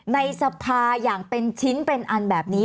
ในสภาอย่างเป็นชิ้นเป็นอันแบบนี้